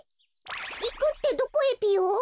いくってどこへぴよ？